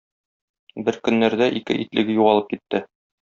Бер көннәрдә ике итлеге югалып китте.